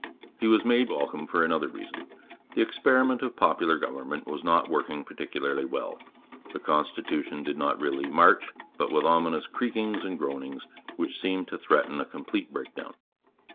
He was made welcome for another reason. The experiment of popular government was not working particularly well. The constitution did really 'march,' but with ominous creakings and groanings, which seemed to threaten a complete break down.